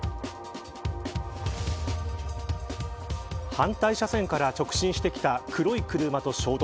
反対車線から直進してきた黒い車と衝突。